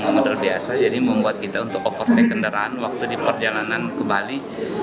model biasa jadi membuat kita untuk overtack kendaraan waktu di perjalanan ke bali